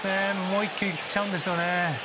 もう１球いっちゃうんですね。